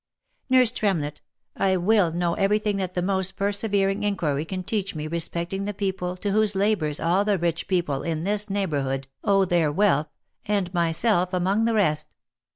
Nurse Tremlett, I will know every thing that the most persevering inquiry can teach me respecting the people to whose labours all the rich people in this neighbourhood owe their wealth, and myself among the rest.